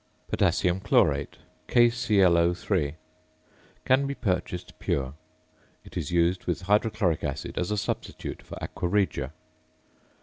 ~Potassium Chlorate~ (KClO_) can be purchased pure. It is used with hydrochloric acid as a substitute for aqua regia.